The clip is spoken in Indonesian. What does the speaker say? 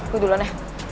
gua duluan ya